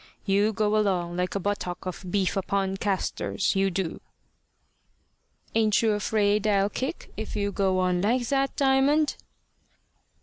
You go along like a buttock of beef upon castors you do." "Ain't you afraid I'll kick, if you go on like that, Diamond?"